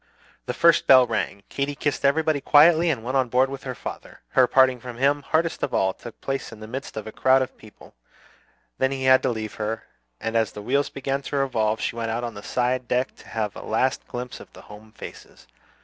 The first bell rang. Katy kissed everybody quietly and went on board with her father. Her parting from him, hardest of all, took place in the midst of a crowd of people; then he had to leave her, and as the wheels began to revolve she went out on the side deck to have a last glimpse of the home faces.